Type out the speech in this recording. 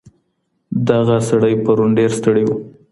دغه سړی پرون ډېر ستړی وو.